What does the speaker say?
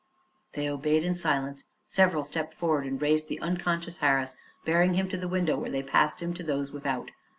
They obeyed in silence. Several stepped forward and raised the unconscious Harris, bearing him to the window, where they passed him to those without.